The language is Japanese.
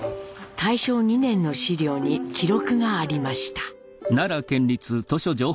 大正２年の資料に記録がありました。